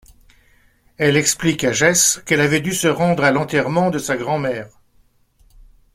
Elle explique à Jesse qu'elle avait dû se rendre à l'enterrement de sa grand-mère.